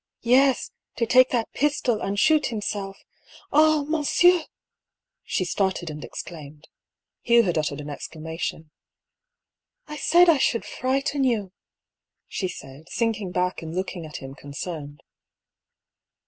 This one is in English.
yes, to take that pistol and shoot himself ! Ah ! mon sieur !" she started and exclaimed. Hugh had uttered an exclamation. I said I should frighten you !" she said, sinking back and looking at him concerned.